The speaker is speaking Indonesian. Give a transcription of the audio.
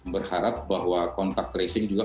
berharap bahwa kontak tracing juga